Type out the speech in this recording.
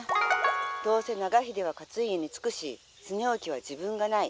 どうせ長秀は勝家につくし恒興は自分がない。